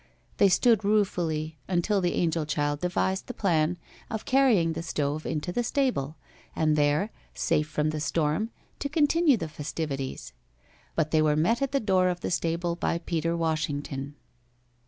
They stood ruefully until the angel child devised the plan of carrying the stove into the stable, and there, safe from the storm, to continue the festivities. But they were met at the door of the stable by Peter Washington.